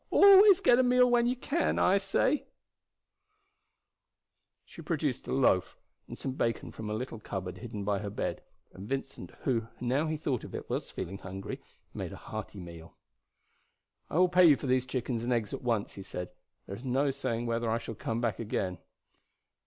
Always get a meal when you can, say I." She produced a loaf and some bacon from a little cupboard hidden by her bed, and Vincent, who, now he thought of it, was feeling hungry, made a hearty meal. "I will pay you for these chickens and eggs at once," he said. "There is no saying whether I shall come back again."